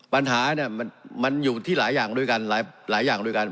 ปัญหาเนี่ยมันอยู่ที่หลายอย่างด้วยกันหลายอย่างด้วยกัน